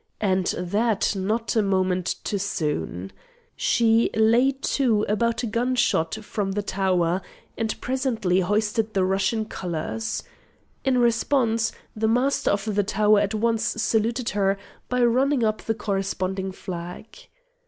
And that not a moment too soon. She lay to about a gunshot from the tower, and presently hoisted the Russian colours. In response, the Master of the tower at once saluted her by running up the corresponding flag.